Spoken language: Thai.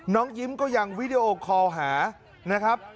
น้องยิ้มก็ยังวิดีโอคอลหานะครับ